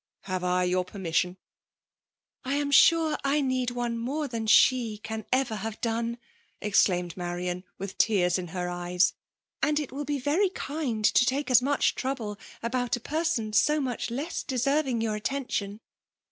Hare I your permission ?*''^ I am sure I need one mere than the cm have ever done! exokomed Marian, witfi tears in her eyes. '' And^ wiB be very Id&d to take as much trouble about n person so much less deserving your attention."